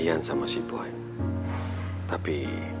kepala pukul gt scripture